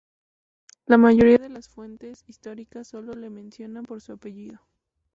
La mayoría de las fuentes históricas solo le mencionan por su apellido.